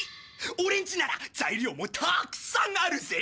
オレんちなら材料もたくさんあるぜ。